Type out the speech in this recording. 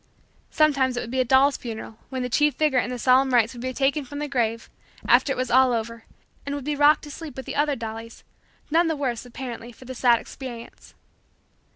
Sometimes it would be a doll's funeral when the chief figure in the solemn rites would be taken from the grave, after it was all over, and would be rocked to sleep with the other dollies, none the worse, apparently, for the sad experience.